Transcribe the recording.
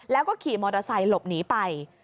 แล้วก็ขี่มอเตอร์ไซค์หลบหนีไป